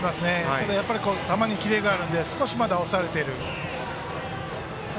ただ球にキレがあるので少しまだ押されてますね。